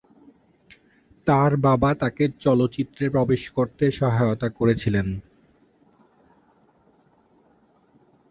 তার বাবা তাকে চলচ্চিত্রে প্রবেশ করতে সহায়তা করেছিলেন।